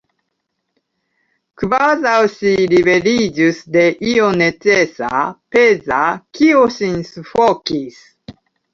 Kvazaŭ ŝi liberiĝus de io nenecesa, peza, kio ŝin sufokis.